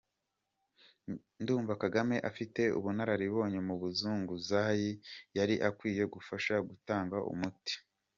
Ndumva Kagame afite ubunararibonye mu buzunguzayi yari akwiye gufasha gutanga umuti.